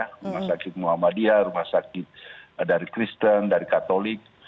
rumah sakit muhammadiyah rumah sakit dari kristen dari katolik